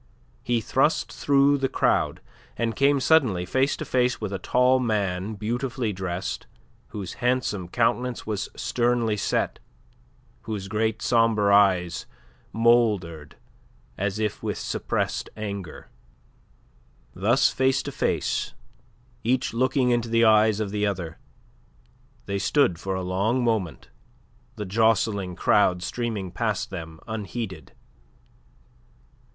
He thrust through the crowd, and came suddenly face to face with a tall man beautifully dressed, whose handsome countenance was sternly set, whose great sombre eyes mouldered as if with suppressed anger. Thus face to face, each looking into the eyes of the other, they stood for a long moment, the jostling crowd streaming past them, unheeded.